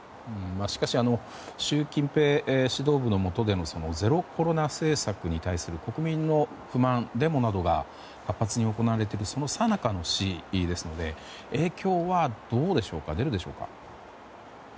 しかし習近平指導部のもとでのゼロコロナ政策に対する国民の不満、デモなどが活発に行われていてそのさなかの死ですので影響はどうでしょう出るでしょうか？